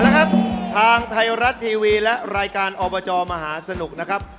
นะครับทางไทยรัฐทีวีและรายการอบจมหาสนุกนะครับ